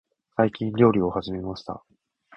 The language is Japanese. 最近、料理を始めました。